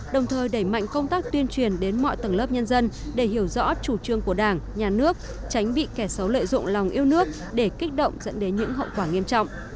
đồng thời đẩy mạnh công tác tuyên truyền đến mọi tầng lớp nhân dân để hiểu rõ chủ trương của đảng nhà nước tránh bị kẻ xấu lợi dụng lòng yêu nước để kích động dẫn đến những hậu quả nghiêm trọng